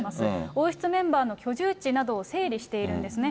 王室メンバーの居住地などを整理しているんですね。